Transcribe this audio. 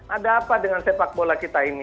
ada apa dengan sepak bola kita ini